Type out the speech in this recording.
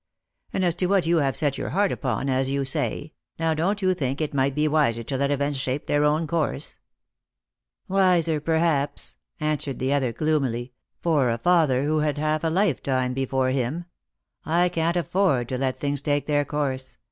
And as to what you have set your heart upon, as you say, now don't you think it might be wiser to let events shape their own course ?"" Wiser, perhaps," answered the other gloomily, " for a father Lost for Love. 71 who had half a lifetime before him. I can't afford to let things take their course.